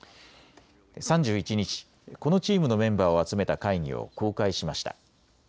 ３１日、このチームのメンバーを集めた会議を公開しました。